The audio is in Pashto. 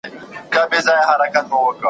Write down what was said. نه اوږده د هجر شپه وي نه بې وسه ډېوه مړه وي `